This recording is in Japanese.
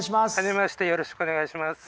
よろしくお願いします。